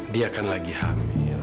dia akan lagi hamil